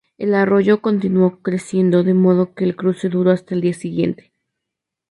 El arroyo continuó creciendo, de modo que el cruce duró hasta el día siguiente.